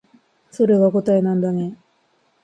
それが答えなんだね